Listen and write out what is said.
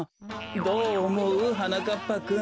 どうおもう？はなかっぱくん。